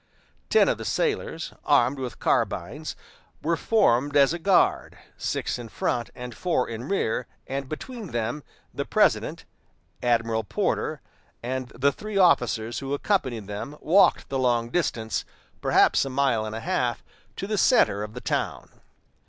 Ten of the sailors, armed with carbines, were formed as a guard, six in front and four in rear, and between them the President, Admiral Porter, and the three officers who accompanied them walked the long distance, perhaps a mile and a half, to the center of the town.